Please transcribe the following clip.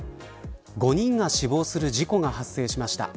５人が死亡する事故が発生しました。